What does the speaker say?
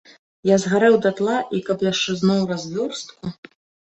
Я згарэў датла і каб яшчэ зноў развёрстку!